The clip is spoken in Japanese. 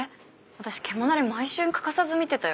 私『けもなれ』毎週欠かさず見てたよ。